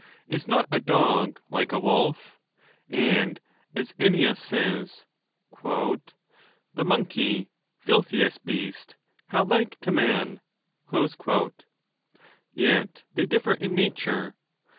Is not a dog like a wolf ? And, as Ennius says, The monkey, filthiest beast, how like to man ! Yet they differ in nature.